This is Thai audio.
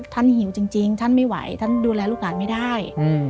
หิวจริงท่านไม่ไหวท่านดูแลลูกหลานไม่ได้